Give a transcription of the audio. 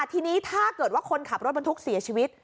ทีนี้ถ้าเกิดว่าคนขับรถบรรทุกเสียชีวิต